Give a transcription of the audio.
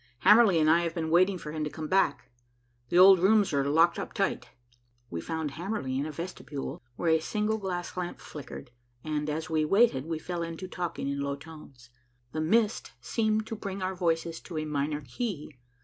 "Hamerly and I have been waiting for him to come back. The old rooms are locked up tight." We found Hamerly in a vestibule where a single gas lamp flickered, and, as we waited, we fell to talking in low tones. The mist seemed to bring our voices to a minor key.